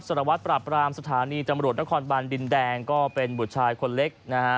สารวัตรปราบรามสถานีตำรวจนครบันดินแดงก็เป็นบุตรชายคนเล็กนะฮะ